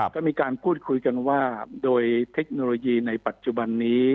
ก็มีการพูดคุยกันว่าโดยเทคโนโลยีในปัจจุบันนี้